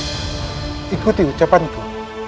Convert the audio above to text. raden ikuti ucapanku